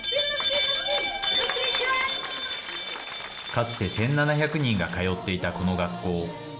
かつて、１７００人が通っていたこの学校。